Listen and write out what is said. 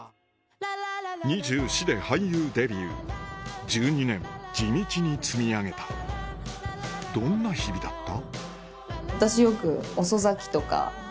２４歳で俳優デビュー１２年地道に積み上げたどんな日々だった？